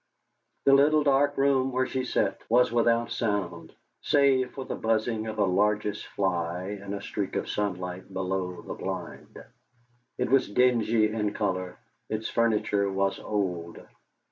The little dark room where she sat was without sound, save for the buzzing of a largish fly in a streak of sunlight below the blind. It was dingy in colour; its furniture was old.